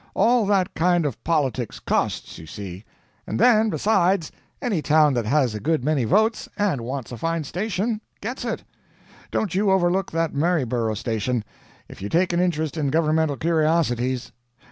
All that kind of politics costs, you see. And then, besides, any town that has a good many votes and wants a fine station, gets it. Don't you overlook that Maryborough station, if you take an interest in governmental curiosities.